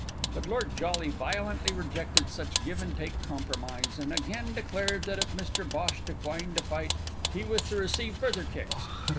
But Lord Jolly violently rejected such a give and take compromise, and again declared that if Mr Bhosh declined to fight he was to receive further kicks.